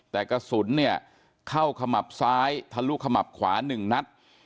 แต่กระสุนเนี่ยเข้าขมับซ้ายทะลุขมับขวา๑นัด